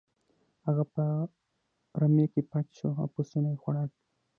هغه په رمې کې پټ شو او پسونه یې خوړل.